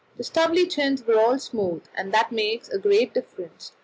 The stubbly chins were all smooth, and that makes a great difference.